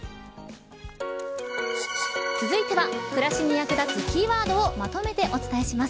続いては暮らしに役立つキーワードをまとめてお伝えします。